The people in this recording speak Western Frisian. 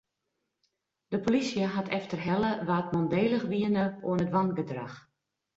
De polysje hat efterhelle wa't mandélich wiene oan it wangedrach.